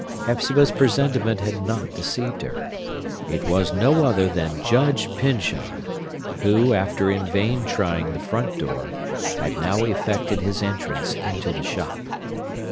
Hepzibah's presentiment had not deceived her. It was no other than Judge Pyncheon, who, after in vain trying the front door, had now effected his entrance into the shop.